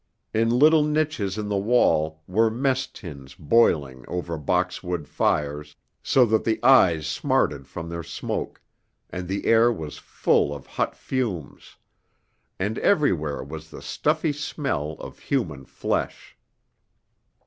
In little niches in the wall were mess tins boiling over box wood fires, so that the eyes smarted from their smoke, and the air was full of the hot fumes; and everywhere was the stuffy smell of human flesh.